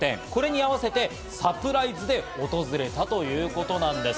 これに合わせてサプライズで訪れたということなんです。